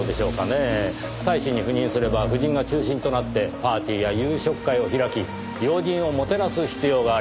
大使に赴任すれば夫人が中心となってパーティーや夕食会を開き要人をもてなす必要があります。